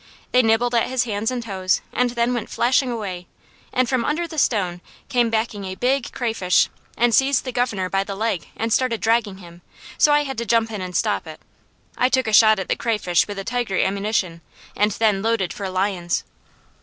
They nibbled at his hands and toes, and then went flashing away, and from under the stone came backing a big crayfish and seized the governor by the leg and started dragging him, so I had to jump in and stop it. I took a shot at the crayfish with the tiger ammunition and then loaded for lions.